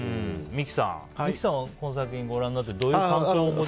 三木さんはこの作品をご覧になってどういう感想を。